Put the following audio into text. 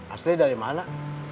asli dari mana